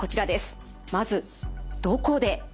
まず「どこで」